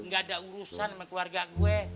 gak ada urusan sama keluarga gue